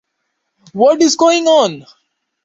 What is going on?